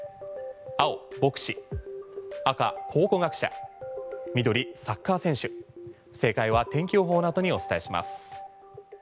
青、牧師赤、考古学者緑、サッカー選手正解は天気予報のあとにお伝えします。